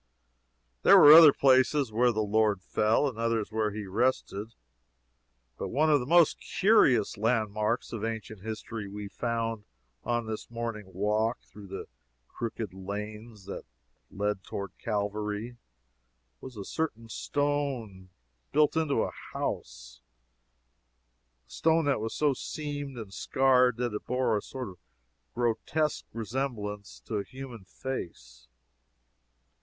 There were other places where the Lord fell, and others where he rested; but one of the most curious landmarks of ancient history we found on this morning walk through the crooked lanes that lead toward Calvary, was a certain stone built into a house a stone that was so seamed and scarred that it bore a sort of grotesque resemblance to the human face.